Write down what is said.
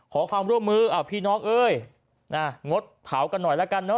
ขอความร่วมมือพี่น้องเอ้ยงดเผากันหน่อยละกันเนอ